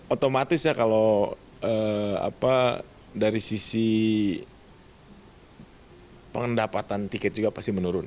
otomatis ya kalau dari sisi pendapatan tiket juga pasti menurun